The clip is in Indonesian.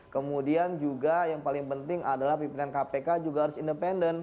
kemudian juga yang paling penting adalah pimpinan kpk juga harus independen